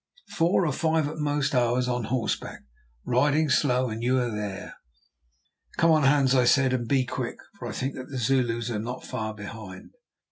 Four, or at most five, hours on horseback, riding slow, and you are there." "Come on, Hans," I said, "and be quick, for I think that the Zulus are not far behind."